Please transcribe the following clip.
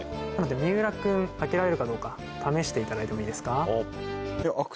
三浦君開けられるかどうか試していただいてもいいですか？